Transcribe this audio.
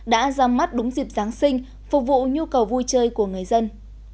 đã ra mắt đúng dịp giáng sinh phục vụ nhu cầu vui chơi của người dân